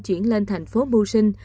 chuyển lên thành phố bù sinh